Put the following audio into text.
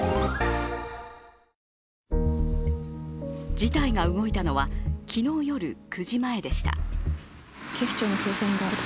事態が動いたのは昨日夜９時前でした。